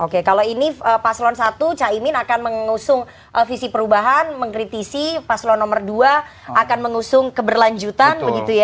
oke kalau ini paslon satu caimin akan mengusung visi perubahan mengkritisi paslon nomor dua akan mengusung keberlanjutan begitu ya